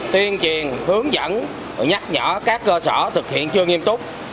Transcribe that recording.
tuyên truyền hướng dẫn nhắc nhở các cơ sở thực hiện chưa nghiêm túc